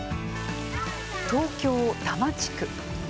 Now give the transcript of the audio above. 東京、多摩地区。